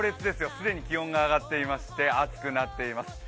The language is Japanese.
既に気温が上がっていまして暑くなっています。